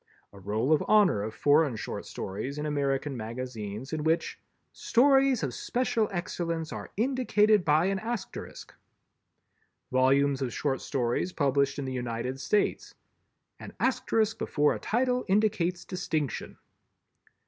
A Roll of Honor of Foreign Short Stories in American Magazines in which "Stories of special excellence are indicated by an Asterisk." Volumes of short stories published in the United States. "_An Asterisk before a title indicates distinction.